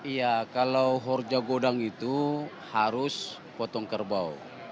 iya kalau horja godang itu harus potong kerbau